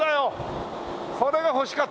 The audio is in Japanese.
これが欲しかったんだよ。